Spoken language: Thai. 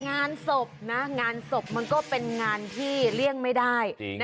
งานศพนะงานศพมันก็เป็นงานที่เลี่ยงไม่ได้